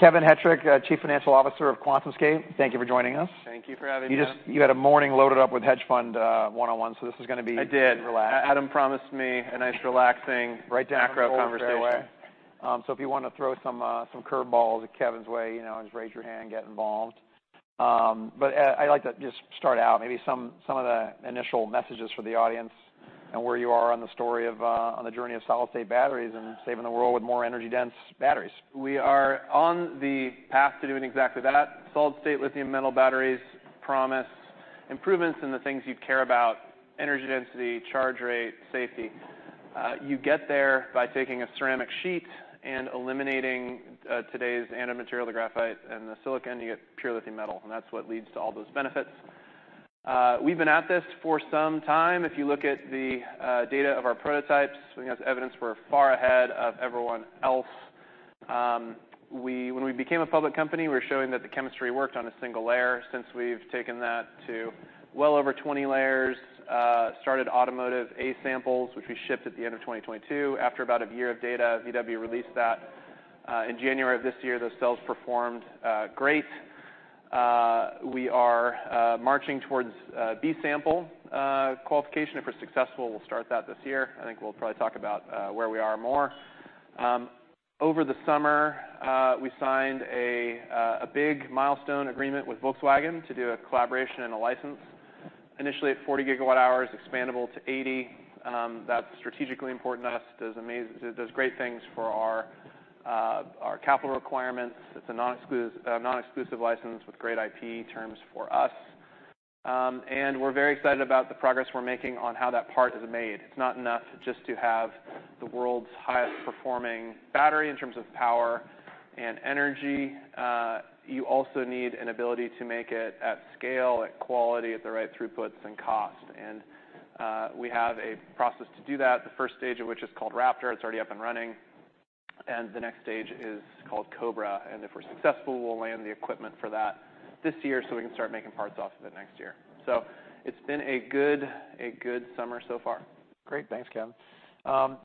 Kevin Hettrich, Chief Financial Officer of QuantumScape. Thank you for joining us. Thank you for having me, Adam. You had a morning loaded up with hedge fund one-on-one, so this is gonna be relaxed. Adam promised me a nice, relaxing macro conversation. Right down old fairway. So if you wanna throw some, some curve balls at Kevin's way, you know, just raise your hand, get involved. But I'd like to just start out, maybe some, some of the initial messages for the audience and where you are on the story of, on the journey of solid-state batteries and saving the world with more energy-dense batteries. We are on the path to doing exactly that. Solid-state lithium metal batteries promise improvements in the things you care about: energy density, charge rate, safety. You get there by taking a ceramic sheet and eliminating today's anode material, the graphite and the silicon. You get pure lithium metal, and that's what leads to all those benefits. We've been at this for some time. If you look at the data of our prototypes, we have evidence we're far ahead of everyone else. When we became a public company, we were showing that the chemistry worked on a single layer. Since we've taken that to well over 20 layers, started automotive A-samples, which we shipped at the end of 2022. After about a year of data, VW released that in January of this year. Those cells performed great. We are marching towards B-sample qualification. If we're successful, we'll start that this year. I think we'll probably talk about where we are more. Over the summer, we signed a big milestone agreement with Volkswagen to do a collaboration and a license, initially at 40 GWh, expandable to 80 GWh. That's strategically important to us. It does great things for our capital requirements. It's a non-exclusive license with great IP terms for us. And we're very excited about the progress we're making on how that part is made. It's not enough just to have the world's highest-performing battery in terms of power and energy. You also need an ability to make it at scale, at quality, at the right throughputs and cost. We have a process to do that, the first stage of which is called Raptor. It's already up and running, and the next stage is called Cobra, and if we're successful, we'll land the equipment for that this year, so we can start making parts off of it next year. It's been a good summer so far. Great. Thanks, Kevin.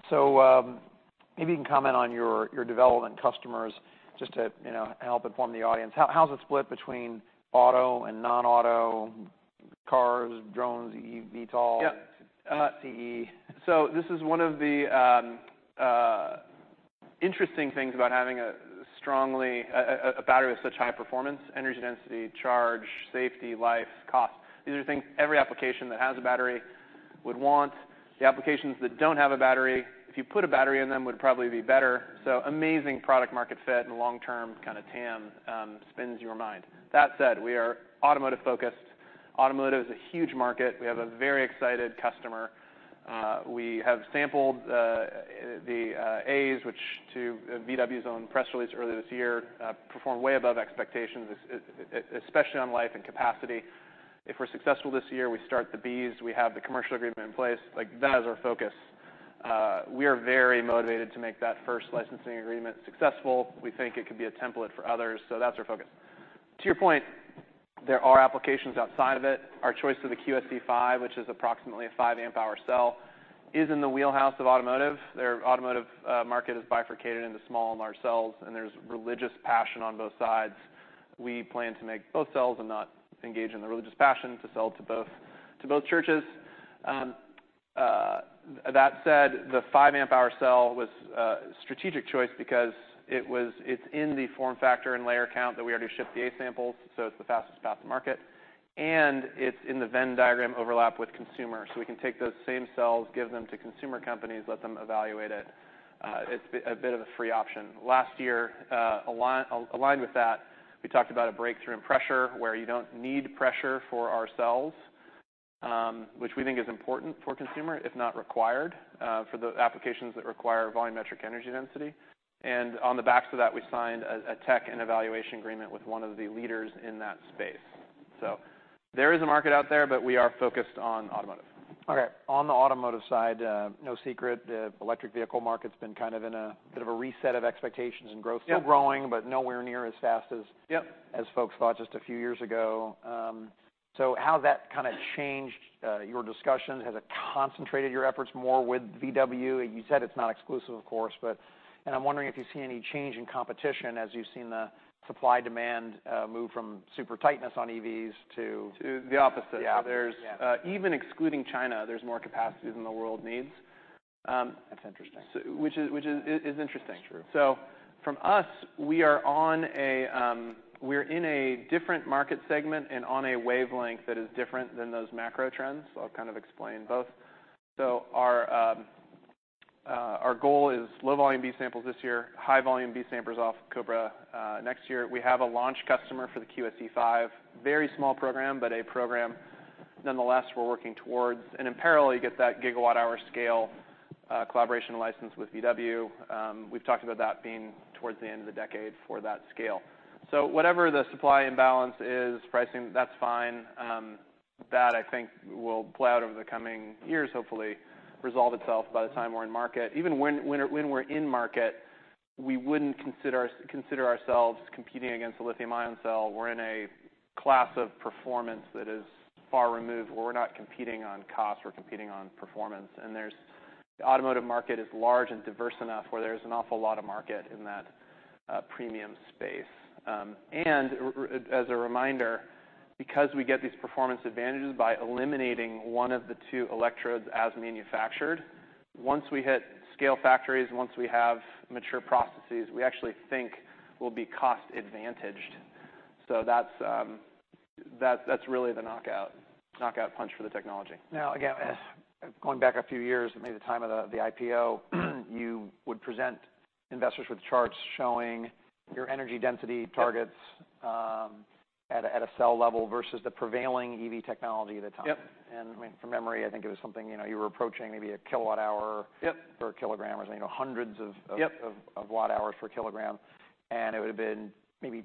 So, maybe you can comment on your development customers just to, you know, help inform the audience. How's it split between auto and non-auto cars, drones, eVTOLs, CE? So this is one of the interesting things about having a strongly... a battery with such high performance, energy, density, charge, safety, life, cost. These are things every application that has a battery would want. The applications that don't have a battery, if you put a battery in them, would probably be better. So amazing product market fit and long-term kind of TAM spins your mind. That said, we are automotive-focused. Automotive is a huge market. We have a very excited customer. We have sampled the A's, which, to VW's own press release earlier this year, performed way above expectations, especially on life and capacity. If we're successful this year, we start the B's. We have the commercial agreement in place, like, that is our focus. We are very motivated to make that first licensing agreement successful. We think it could be a template for others, so that's our focus. To your point, there are applications outside of it. Our choice of the QSE-5, which is approximately a five amp hour cell, is in the wheelhouse of automotive. Their automotive market is bifurcated into small and large cells, and there's religious passion on both sides. We plan to make both cells and not engage in the religious passion, to sell to both, to both churches. That said, the five amp hour cell was a strategic choice because it's in the form factor and layer count that we already shipped the A-samples, so it's the fastest path to market, and it's in the Venn diagram overlap with consumer so we can take those same cells, give them to consumer companies, let them evaluate it. It's a bit of a free option. Last year, aligned with that, we talked about a breakthrough in pressure, where you don't need pressure for our cells, which we think is important for consumer, if not required, for the applications that require volumetric energy density. And on the back of that, we signed a tech and evaluation agreement with one of the leaders in that space. So there is a market out there, but we are focused on automotive. Okay. On the automotive side, no secret, the electric vehicle market's been kind of in a bit of a reset of expectations and growth. Yep. Still growing, but nowhere near as fast as folks thought just a few years ago. So how has that kind of changed your discussions? Has it concentrated your efforts more with VW? You said it's not exclusive, of course, but... And I'm wondering if you've seen any change in competition as you've seen the supply-demand move from super tightness on EVs to-- To the opposite. Yeah. There's, even excluding China, there's more capacity than the world needs. That's interesting. Which is interesting. That's true. So from us, we are on a, we're in a different market segment and on a wavelength that is different than those macro trends. So I'll kind of explain both. So our goal is low volume B-samples this year, high volume B-samples off Cobra next year. We have a launch customer for the QSE-5. Very small program, but a program nonetheless, we're working towards. And in parallel, you get that gigawatt hour scale collaboration license with VW. We've talked about that being towards the end of the decade for that scale. So whatever the supply imbalance is, pricing, that's fine. That I think will play out over the coming years, hopefully resolve itself by the time we're in market. Even when we're in market, we wouldn't consider ourselves competing against a lithium-ion cell. We're in a class of performance that is far removed, where we're not competing on cost, we're competing on performance. And the automotive market is large and diverse enough where there's an awful lot of market in that premium space. As a reminder, because we get these performance advantages by eliminating one of the two electrodes as manufactured, once we hit scale factories, once we have mature processes, we actually think we'll be cost-advantaged. So that's really the knockout punch for the technology. Now, again, going back a few years to maybe the time of the IPO, you would present investors with charts showing your energy density targets at a cell level versus the prevailing EV technology at the time. Yep. I mean, from memory, I think it was something, you know, you were approaching maybe a kilowatt hour per kilogram, or, you know, hundreds of watt hours per kilogram, and it would have been maybe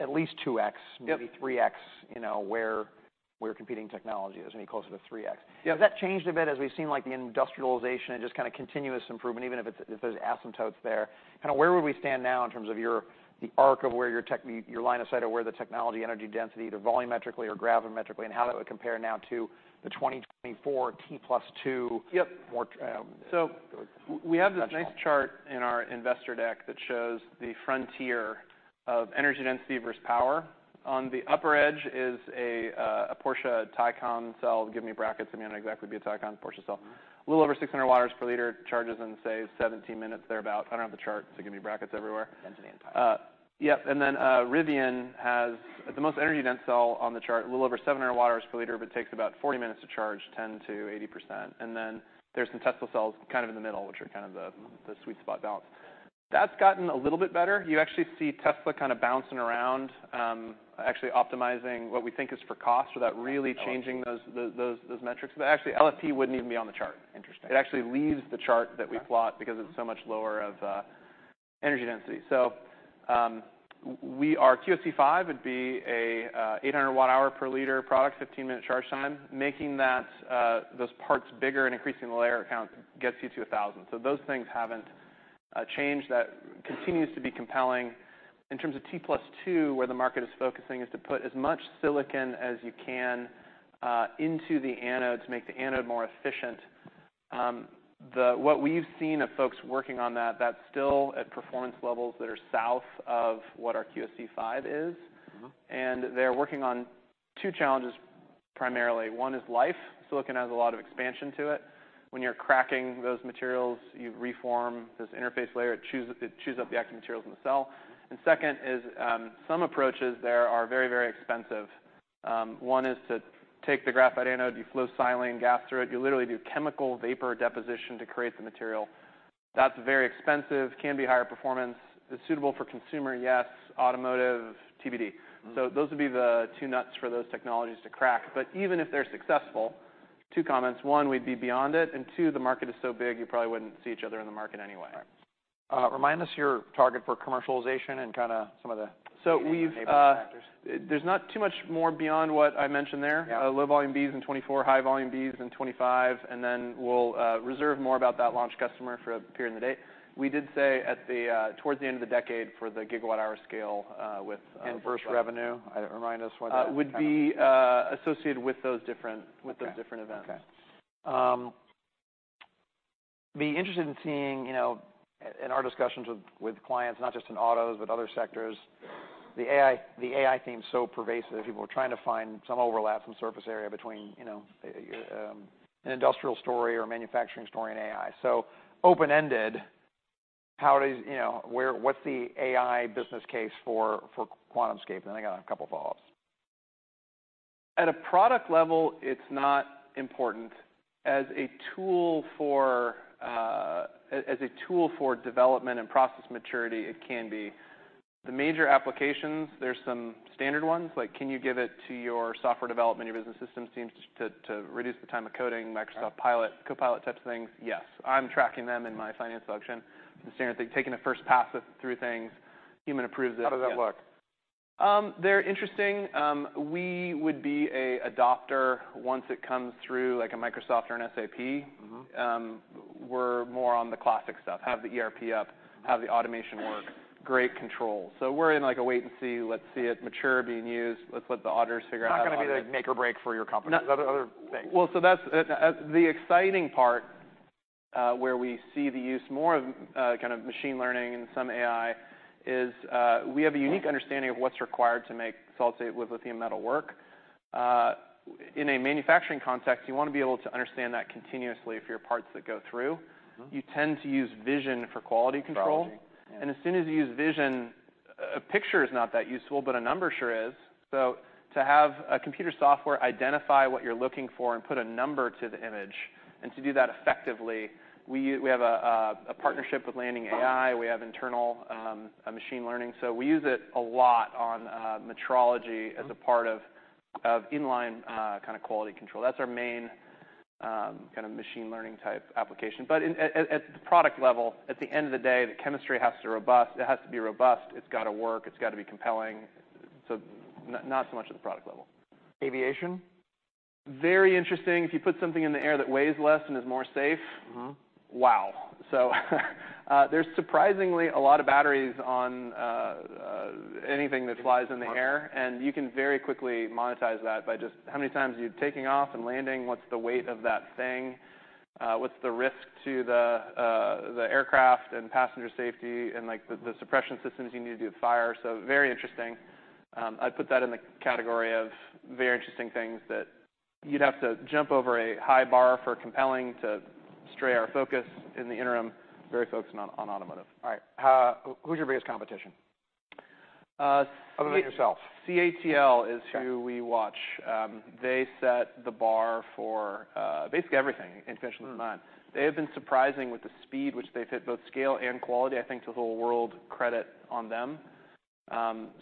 at least 2x, maybe 3x, you know, where our competing technology is, maybe closer to 3x. Yeah that changed a bit as we've seen, like, the industrialization and just kind of continuous improvement, even if it's, if there's asymptotes there? Kinda where would we stand now in terms of your--the arc of where your tech--your line of sight of where the technology energy density, either volumetrically or gravimetrically, and how that would compare now to the 2024 (T+2) more, We have this nice chart in our investor deck that shows the frontier of energy density versus power. On the upper edge is a Porsche Taycan cell. I mean, it'd exactly be a Porsche Taycan cell. A little over 600 Wh/L, charges in, say, 17 minutes thereabout. I don't have the chart, so give me brackets everywhere. Energy and power. Yep, and then Rivian has the most energy-dense cell on the chart, a little over 700 Wh/L, but it takes about 40 minutes to charge 10%-80%. And then there's some Tesla cells kind of in the middle, which are kind of the, the sweet spot balance. That's gotten a little bit better. You actually see Tesla kind of bouncing around, actually optimizing what we think is for cost without really changing those metrics. But actually, LFP wouldn't even be on the chart. Interesting. It actually leaves the chart that we plot because it's so much lower of energy density. Our QSE-5 would be a 800 Wh/L product, 15-minute charge time, making that those parts bigger and increasing the layer count gets you to a 1,000. Those things haven't changed. That continues to be compelling. In terms of T+2, where the market is focusing, is to put as much silicon as you can into the anode to make the anode more efficient. What we've seen of folks working on that, that's still at performance levels that are south of what our QSE-5 is. They're working on two challenges, primarily. One is life. Silicon has a lot of expansion to it. When you're cracking those materials, you reform this interface layer. It chews up the active materials in the cell. Second is, some approaches there are very, very expensive. One is to take the graphite anode, you flow silane gas through it. You literally do chemical vapor deposition to create the material. That's very expensive, can be higher performance. It's suitable for consumer, yes, automotive, TBD. Those would be the two nuts for those technologies to crack. But even if they're successful, two comments: one, we'd be beyond it, and two, the market is so big, you probably wouldn't see each other in the market anyway. Right. Remind us your target for commercialization and kinda some of the factors. There's not too much more beyond what I mentioned there. Yeah. Low volume B's in 2024, high volume B's in 2025, and then we'll reserve more about that launch customer for later in the day. We did say towards the end of the decade for the gigawatt-hour scale with- First revenue, remind us what the- would be associated with those different, with those different events. Okay. Be interested in seeing, you know, in our discussions with clients, not just in autos, but other sectors, the AI theme is so pervasive that people are trying to find some overlap, some surface area between, you know, an industrial story or a manufacturing story in AI. So open-ended, how does... You know, where-- what's the AI business case for QuantumScape? And I got a couple of follow-ups. At a product level, it's not important. As a tool for development and process maturity, it can be. The major applications, there's some standard ones, like, can you give it to your software development, your business system teams, to reduce the time of coding, Microsoft Copilot types of things? Yes, I'm tracking them in my finance function. The standard thing, taking a first pass through things, human approves it. How does that look? They're interesting. We would be an adopter once it comes through, like a Microsoft or an SAP. We're more on the classic stuff, have the ERP up, have the automation work, great control. So we're in, like, a wait-and-see, let's see it mature, being used. Let's let the auditors figure out. Not gonna be the make or break for your company. No. Other things. That's the exciting part, where we see the use more of kind of machine learning and some AI is, we have a unique understanding of what's required to make solid-state with lithium metal work. In a manufacturing context, you wanna be able to understand that continuously for your parts that go through. Mm-hmm. You tend to use vision for quality control. Technology. As soon as you use vision, a picture is not that useful, but a number sure is. To have a computer software identify what you're looking for and put a number to the image, and to do that effectively, we have a partnership with Landing AI. Mm-hmm. We have internal machine learning, so we use it a lot on metrology as a part of inline kind of quality control. That's our main kind of machine learning type application, but at the product level, at the end of the day, the chemistry has to robust, it has to be robust, it's got to work, it's got to be compelling, so not so much at the product level. Aviation? Very interesting. If you put something in the air that weighs less and is more safe- Mm-hmm Wow! So, there's surprisingly a lot of batteries on anything that flies in the air, and you can very quickly monetize that by just how many times you're taking off and landing, what's the weight of that thing? What's the risk to the aircraft and passenger safety, and, like, the suppression systems you need to do with fire. So very interesting. I'd put that in the category of very interesting things that you'd have to jump over a high bar for compelling to stray our focus in the interim, very focused on automotive. All right. Who's your biggest competition? Uhh. Other than yourself. CATL is who we watch. They set the bar for basically everything in conventional design. They have been surprising with the speed which they've hit both scale and quality, I think, to the whole world. Credit on them.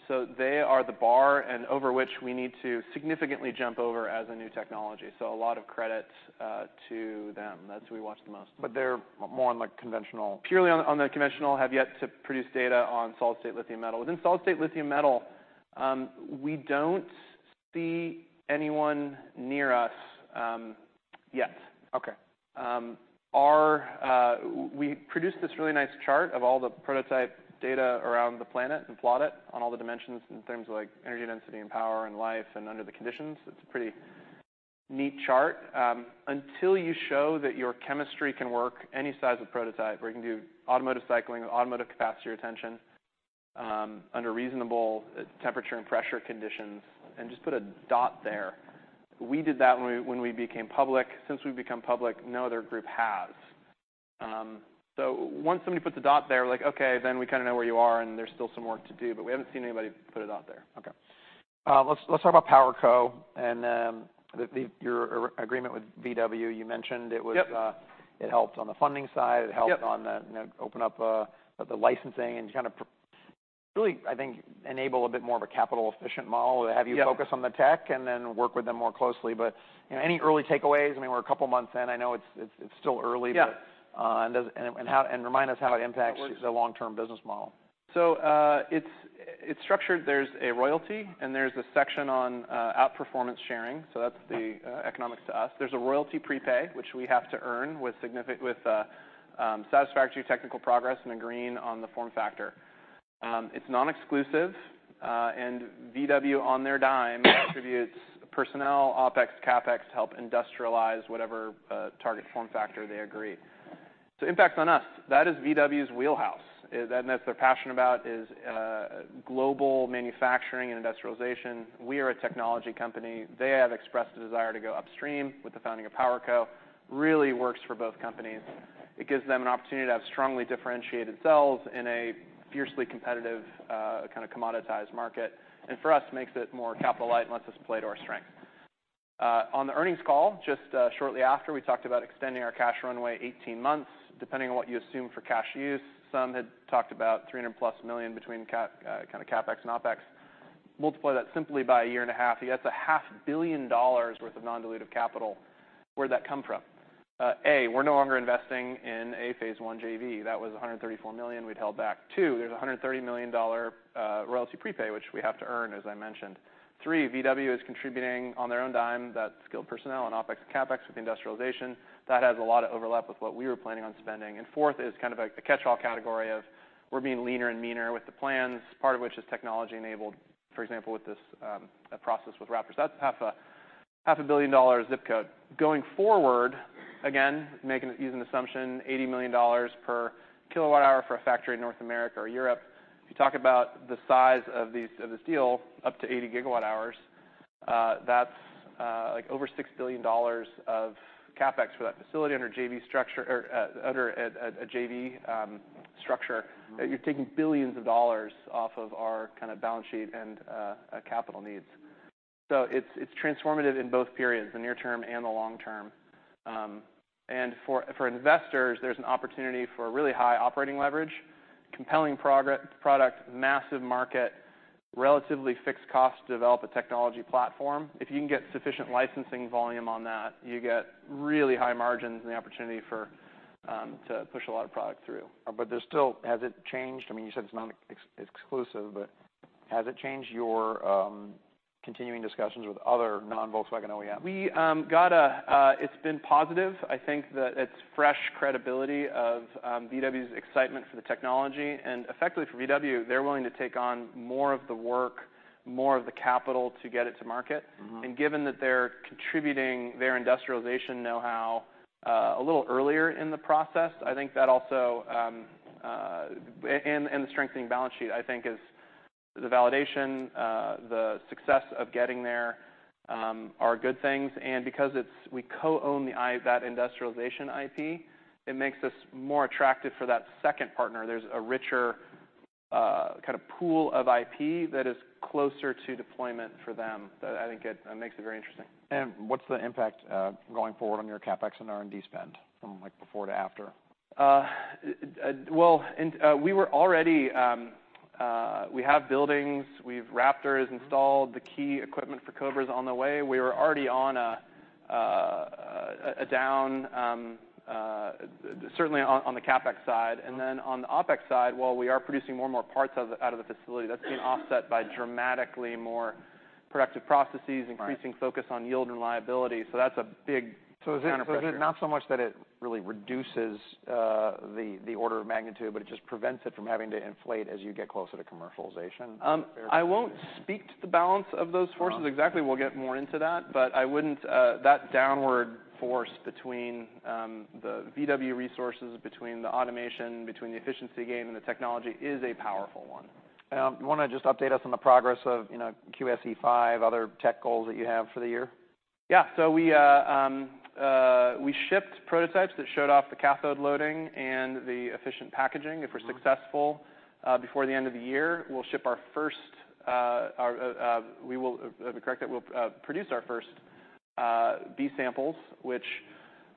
So they are the bar and over which we need to significantly jump over as a new technology. So a lot of credit to them. That's who we watch the most. But they're more on, like, conventional? Purely on the conventional, have yet to produce data on solid state lithium metal. Within solid state lithium metal, we don't see anyone near us, yet. Okay. We produced this really nice chart of all the prototype data around the planet and plot it on all the dimensions in terms of, like, energy density, and power, and life, and under the conditions. It's a pretty neat chart. Until you show that your chemistry can work any size of prototype, where you can do automotive cycling or automotive capacity retention under reasonable temperature and pressure conditions, and just put a dot there. We did that when we became public. Since we've become public, no other group has. Once somebody puts a dot there, like, okay, then we kinda know where you are, and there's still some work to do, but we haven't seen anybody put a dot there. Okay. Let's talk about PowerCo and the your agreement with VW. You mentioned it was, it helped on the funding side. Yep. It helped on the, you know, open up, the licensing and kind of really, I think, enable a bit more of a capital-efficient model to have you focus on the tech and then work with them more closely. But, you know, any early takeaways? I mean, we're a couple of months in. I know it's still early, but remind us how it impacts the long-term business model. So, it's, it's structured. There's a royalty, and there's a section on outperformance sharing, so that's the economics to us. There's a royalty prepay, which we have to earn with satisfactory technical progress and agreeing on the form factor. It's non-exclusive, and VW, on their dime, contributes personnel, OpEx, CapEx, to help industrialize whatever target form factor they agree. So impacts on us, that is VW's wheelhouse. That and that they're passionate about is global manufacturing and industrialization. We are a technology company. They have expressed a desire to go upstream with the founding of PowerCo. Really works for both companies. It gives them an opportunity to have strongly differentiated cells in a fiercely competitive kind of commoditized market, and for us, makes it more capital light and lets us play to our strength. On the earnings call, just shortly after, we talked about extending our cash runway 18 months, depending on what you assume for cash use. Some had talked about $300+ million between CapEx and OpEx. Multiply that simply by a year and a half, you get $500 million worth of non-dilutive capital. Where'd that come from? A, we're no longer investing in a phase one JV. That was $134 million we'd held back. Two, there's a $130 million dollar royalty prepay, which we have to earn, as I mentioned. Three, VW is contributing on their own dime, that skilled personnel and OpEx and CapEx with the industrialization. That has a lot of overlap with what we were planning on spending. Fourth is kind of a catchall category of we're being leaner and meaner with the plans, part of which is technology-enabled, for example, with this process with Raptor. That's $500 million zip code. Going forward, again, using assumption, $80 million per gigawatt hour for a factory in North America or Europe. If you talk about the size of this deal, up to 80 GWh, that's like over $6 billion of CapEx for that facility under JV structure, or under a JV structure. You're taking billions of dollars off of our kinda balance sheet and capital needs. It's transformative in both periods, the near term and the long term. For investors, there's an opportunity for really high operating leverage, compelling product, massive market, relatively fixed cost to develop a technology platform. If you can get sufficient licensing volume on that, you get really high margins and the opportunity for to push a lot of product through. Has it changed? I mean, you said it's not exclusive, but has it changed your continuing discussions with other non-Volkswagen OEMs? It's been positive. I think that it's fresh credibility of VW's excitement for the technology, and effectively for VW, they're willing to take on more of the work, more of the capital to get it to market. Mm-hmm. And given that they're contributing their industrialization know-how a little earlier in the process, I think that also and the strengthening balance sheet, I think, is the validation. The success of getting there are good things, and because it's, we co-own the IP that industrialization IP, it makes us more attractive for that second partner. There's a richer kind of pool of IP that is closer to deployment for them. That I think it makes it very interesting. And what's the impact, going forward on your CapEx and R&D spend, from, like, before to after? Well, we were already, we have buildings, we've-- Raptor is installed. Mm-hmm. The key equipment for Cobra on the way. We were already on a down, certainly on the CapEx side, and then on the OpEx side, while we are producing more and more parts out of the facility, that's being offset by dramatically more productive processes increasing focus on yield and reliability, so that's a big counterpressure. So is it not so much that it really reduces the order of magnitude, but it just prevents it from having to inflate as you get closer to commercialization? I won't speak to the balance of those forces. Uh-huh. Exactly. We'll get more into that. That downward force between the VW resources, between the automation, between the efficiency gain and the technology, is a powerful one. You wanna just update us on the progress of, you know, QSE-5, other tech goals that you have for the year? Yeah. So we shipped prototypes that showed off the cathode loading and the efficient packaging. Mm-hmm. If we're successful before the end of the year, we'll produce our first B-samples, which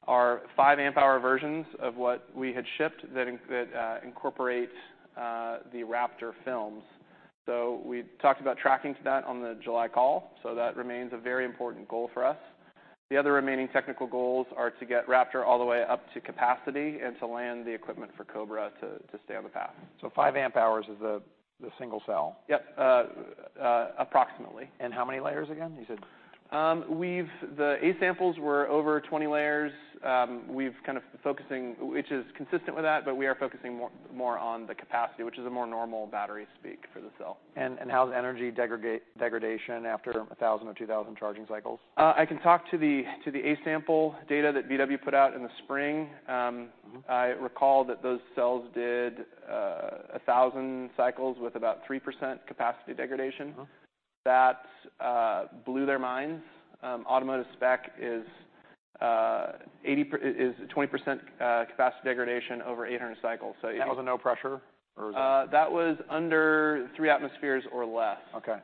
are five amp hour versions of what we had shipped that incorporate the Raptor films. We talked about tracking to that on the July call, so that remains a very important goal for us. The other remaining technical goals are to get Raptor all the way up to capacity and to land the equipment for Cobra to stay on the path. So 5 amp hours is the single cell? Yep, approximately. And how many layers again? You said. The A-samples were over 20 layers. We've kind of focusing, which is consistent with that, but we are focusing more on the capacity, which is a more normal battery speak for the cell. How's the energy degradation after a thousand or two thousand charging cycles? I can talk to the A-sample data that VW put out in the spring. I recall that those cells did 1,000 cycles with about 3% capacity degradation. Uh-huh. That blew their minds. Automotive spec is 20% capacity degradation over 800 cycles. So- That was a no pressure, or is it? That was under three atmospheres or less. Okay.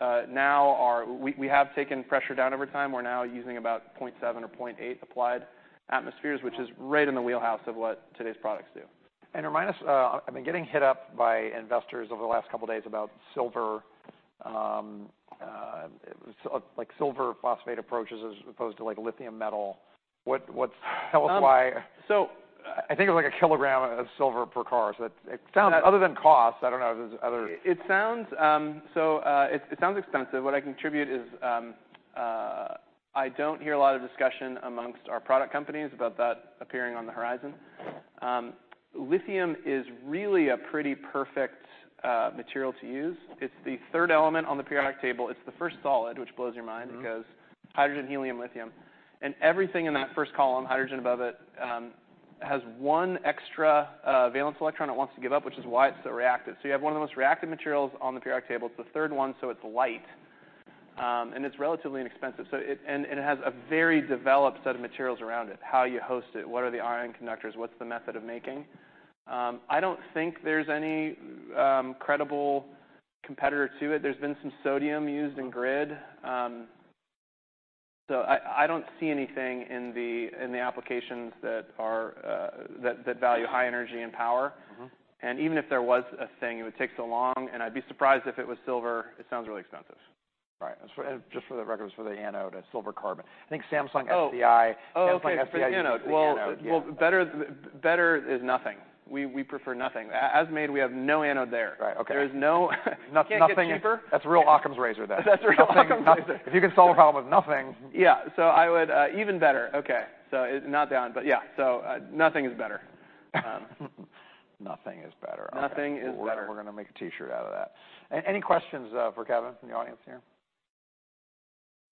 Now we have taken pressure down over time. We're now using about 0.7 or 0.8 applied atmospheres, which is right in the wheelhouse of what today's products do. And remind us. I've been getting hit up by investors over the last couple of days about silver, so like silver-carbon approaches as opposed to, like, lithium metal. What? Tell us why- Um, so- I think it's like a kilogram of silver per car. So it sounds other than cost, I don't know if there's other. It sounds expensive. What I can contribute is, I don't hear a lot of discussion amongst our product companies about that appearing on the horizon. Lithium is really a pretty perfect material to use. It's the third element on the periodic table. It's the first solid, which blows your mind because hydrogen, helium, lithium, and everything in that first column, hydrogen above it, has one extra valence electron it wants to give up, which is why it's so reactive. So you have one of the most reactive materials on the periodic table. It's the third one, so it's light, and it's relatively inexpensive. So it and it has a very developed set of materials around it, how you host it, what are the ion conductors, what's the method of making? I don't think there's any credible competitor to it. There's been some sodium used in grid. Mm-hmm. I don't see anything in the applications that value high energy and power. Mm-hmm. And even if there was a thing, it would take so long, and I'd be surprised if it was silver. It sounds really expensive. Right. And so, and just for the record, it's for the anode, a silver-carbon. I think Samsung SDI- Oh! Samsung SDI. Oh, okay, for the anode. The anode, yeah. Better is nothing. We prefer nothing. As made, we have no anode there. Right. Okay. There is no. Nothing. It can't get cheaper. That's real Occam's razor then. That's real Occam's razor. If you can solve a problem with nothing. Yeah. So I would even better. Okay. So it's not down, but yeah. So nothing is better. Nothing is better. Okay. Nothing is better. We're gonna make a T-shirt out of that. Any questions for Kevin from the audience here?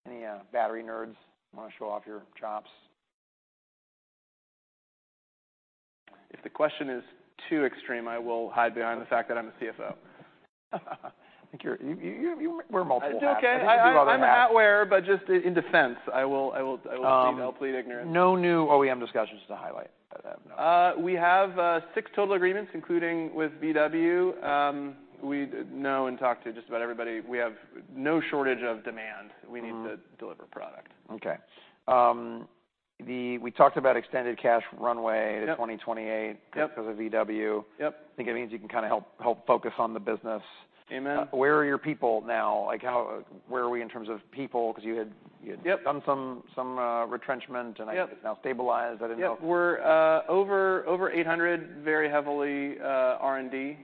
Any battery nerds wanna show off your chops? If the question is too extreme, I will hide behind the fact that I'm a CFO. I think you wear multiple hats. It's okay. You do all the hats. I'm a hat wearer, but just in defense, I will plead ignorance. No new OEM discussions to highlight, no. We have six total agreements, including with VW. We know and talk to just about everybody. We have no shortage of demand. We need to deliver product. Okay. We talked about extended cash runway to 2028 because of VW. Yep. I think it means you can kinda help focus on the business. Amen. Where are your people now? Like, how, where are we in terms of people? 'Cause you had done some retrenchment and now stabilized. I didn't know. Yep. We're over 800, very heavily R&D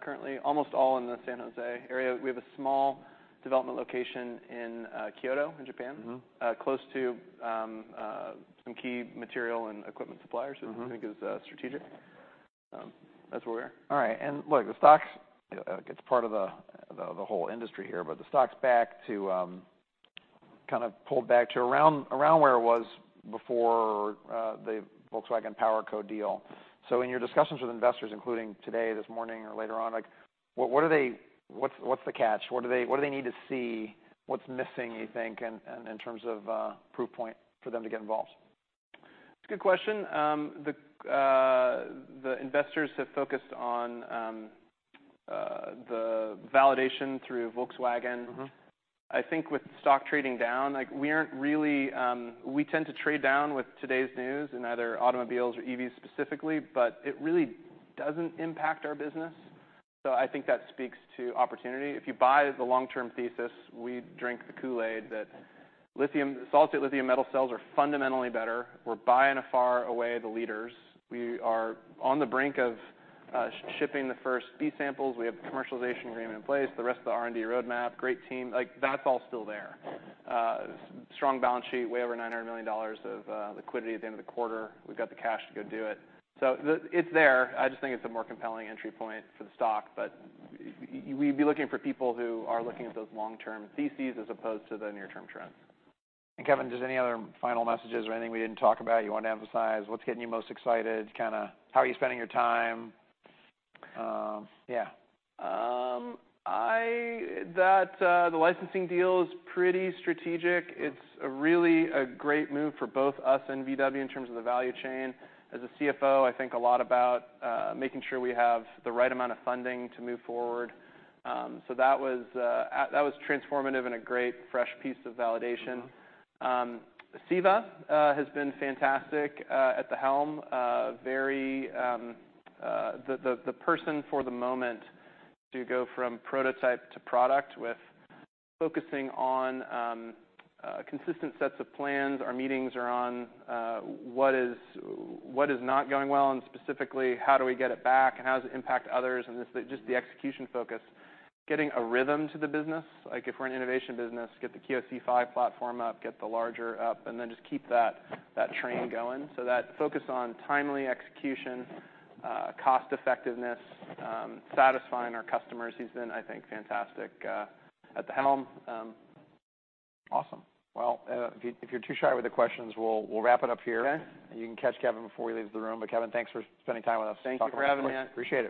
currently, almost all in the San Jose area. We have a small development location in Kyoto, in Japan. Mm-hmm. Close to some key material and equipment suppliers, which I think is, strategic. That's where we are. All right. And look, the stock, it's part of the whole industry here, but the stock's back to, kind of pulled back to around where it was before, the Volkswagen PowerCo deal. So in your discussions with investors, including today, this morning or later on, like, what's the catch? What do they need to see? What's missing, you think, in terms of a proof point for them to get involved? It's a good question. The investors have focused on the validation through Volkswagen. Mm-hmm. I think with stock trading down, like, we aren't really. We tend to trade down with today's news in either automobiles or EVs specifically, but it really doesn't impact our business. So I think that speaks to opportunity. If you buy the long-term thesis, we drink the Kool-Aid, that lithium solid-state lithium metal cells are fundamentally better. We're by far and away the leaders. We are on the brink of shipping the first B-samples. We have a commercialization agreement in place, the rest of the R&D roadmap, great team. Like, that's all still there. Strong balance sheet, way over $900 million of liquidity at the end of the quarter. We've got the cash to go do it. So it's there. I just think it's a more compelling entry point for the stock. But we'd be looking for people who are looking at those long-term theses as opposed to the near-term trends. Kevin, just any other final messages or anything we didn't talk about you want to emphasize? What's getting you most excited, kinda, how are you spending your time? Yeah. That, the licensing deal is pretty strategic. It's a really great move for both us and VW in terms of the value chain. As a CFO, I think a lot about making sure we have the right amount of funding to move forward. So that was transformative and a great fresh piece of validation. Mm-hmm. Siva has been fantastic at the helm. The person for the moment to go from prototype to product with focusing on consistent sets of plans. Our meetings are on what is not going well, and specifically, how do we get it back, and how does it impact others, and just the execution focus, getting a rhythm to the business. Like, if we're an innovation business, get the QSE-5 platform up, get the larger up, and then just keep that train going. So that focus on timely execution, cost effectiveness, satisfying our customers. He's been, I think, fantastic at the helm. Awesome. Well, if you, if you're too shy with the questions, we'll wrap it up here. Okay. And you can catch Kevin before he leaves the room. But, Kevin, thanks for spending time with us. Thank you for having me on. Appreciate it.